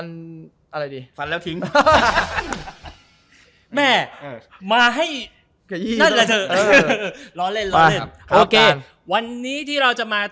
คู่สองคือคู่ใครอ่ะ